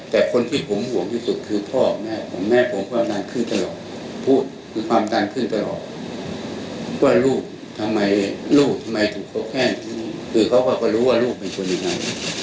แต่คนที่ผมห่วงที่สุดคือพ่อแม่ผมแม่ผมก็ดันขึ้นตลอดพูดคือความดันขึ้นตลอดว่าลูกทำไมลูกทำไมถูกเขาแค่ทิ้งคือเขาก็รู้ว่าลูกเป็นคนยังไง